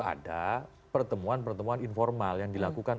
ada pertemuan pertemuan informal yang dilakukan